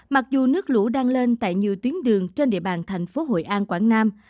mặc dù nước lũ đang lên tại nhiều tuyến đường trên địa bàn thành phố hội an quảng nam